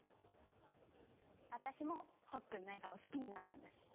私もほっくんの笑顔を好きになったんだし。